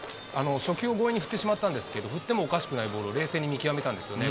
初球を強引に振ってしまったんですけど、振ってもおかしくないボールを冷静に見極めたんですよね。